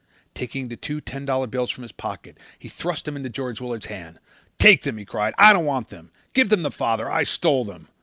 Taking the two ten dollar bills from his pocket he thrust them into George Willard's hand. "Take them," he cried. "I don't want them. Give them to father. I stole them."